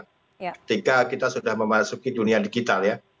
ketika kita sudah memasuki dunia digitalnya